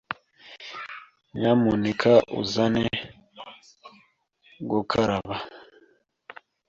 Nyamuneka uzane gukaraba.